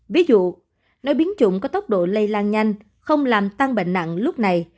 ví dụ nói biến chủng có tốc độ lây lan nhanh không làm tăng bệnh nặng lúc này